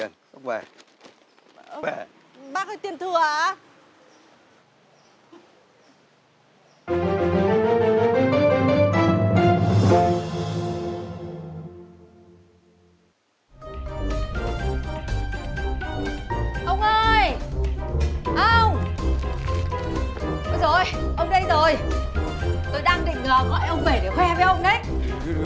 tôi đang định gọi ông về để khoe với ông đấy